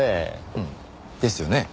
うんですよね。